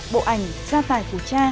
bộ ảnh gia tài phù tra